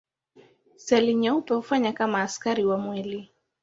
Seli nyeupe hufanya kama askari wa mwili.